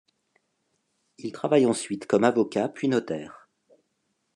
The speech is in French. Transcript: Il travaille ensuite comme avocat puis notaire.